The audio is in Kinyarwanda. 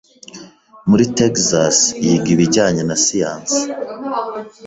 muri Texas yiga ibijyanye na siyanse.